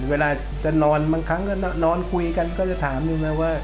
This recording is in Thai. เวลาจะนอนบางครั้งก็นอนคุยกันก็จะถามดูไหมว่า